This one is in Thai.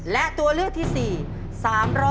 และตัวเลือกที่๓๒๙๙บาท